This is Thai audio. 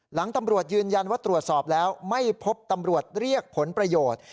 ตำรวจยืนยันว่าตรวจสอบแล้วไม่พบตำรวจเรียกผลประโยชน์